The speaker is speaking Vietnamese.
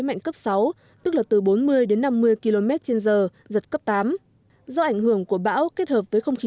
mạnh cấp sáu tức là từ bốn mươi đến năm mươi km trên giờ giật cấp tám do ảnh hưởng của bão kết hợp với không khí